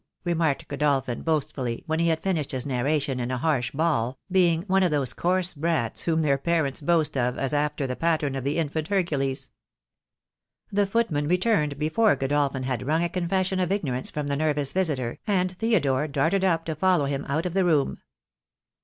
remarked Godol phin boastfully, when he had finished his narration in a harsh bawl, being one of those coarse brats whom their parents boast of as after the pattern of the infant Hercules. The footman returned before Godolphin had wrung a confession of ignorance from the nervous visitor, and Theodore darted up to follow him out of the room.